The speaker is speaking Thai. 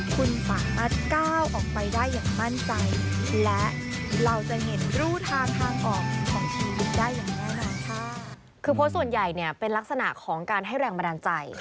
คือโพสต์ส่วนใหญ่เนี่ยเป็นลักษณะของการให้แรงบันดาลใจ